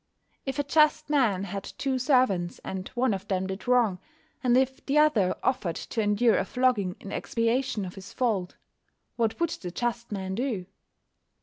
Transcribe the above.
If a just man had two servants, and one of them did wrong, and if the other offered to endure a flogging in expiation of his fault, what would the just man do?